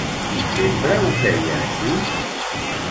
Sempre ho feia així?